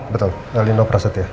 betul pak nino prasetya